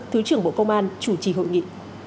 thứ trưởng bộ công an chủ trì hội nghị